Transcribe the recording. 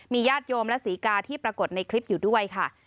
ญาติโยมและศรีกาที่ปรากฏในคลิปอยู่ด้วยค่ะ